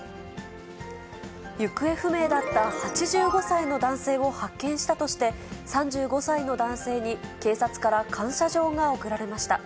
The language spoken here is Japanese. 行方不明だった８５歳の男性を発見したとして、３５歳の男性に、警察から感謝状が贈られました。